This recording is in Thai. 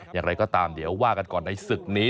อย่างไรก็ตามเดี๋ยวว่ากันก่อนในศึกนี้